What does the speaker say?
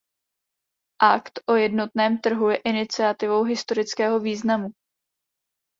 Akt o jednotném trhu je iniciativou historického významu.